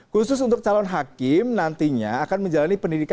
khusus untuk calon hakim nantinya akan menjalani pendidikan